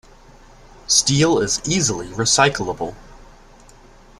Steel is easily recyclable.